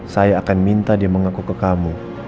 saya akan minta dia mengaku ke kamu